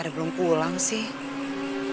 risa ku kan bekerja aja disini